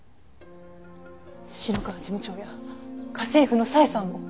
篠川事務長や家政婦の佐恵さんも。